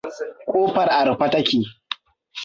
Kofar a rufe ta ke?